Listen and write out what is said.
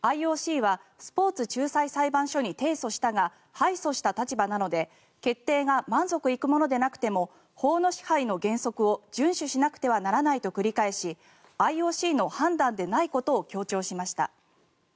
ＩＯＣはスポーツ仲裁裁判所に提訴したが敗訴した立場なので決定が満足いくものでなくても法の支配の原則を順守しなくてはならないと繰り返しＩＯＣの判断でないことを強調しました。